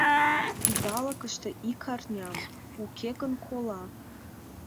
Идалыкыште ик арням, уке гын кола.